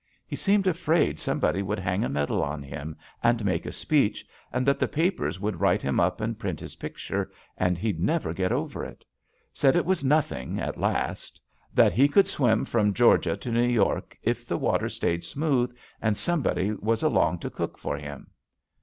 He seemed afraid somebody would hang a medal on him and make a speech, and that the papers would write him up and print his picture, and he'd never get over it. Said it was nothing, at last. That he could swim from Georgia to New York if the water stayed smooth and some body was along to cook for him.